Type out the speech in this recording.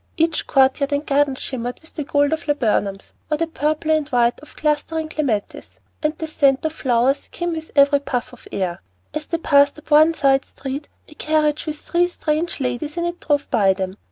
Each court yard and garden shimmered with the gold of laburnums or the purple and white of clustering clematis; and the scent of flowers came with every puff of air. As they passed up the side street, a carriage with three strange ladies in it drove by them.